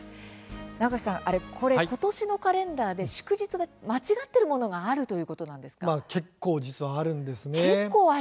名越さん、ことしのカレンダーで祝日が間違っているものがある実は結構あるんです。